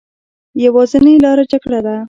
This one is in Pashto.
يوازينۍ لاره جګړه ده